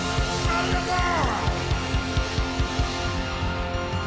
ありがとう！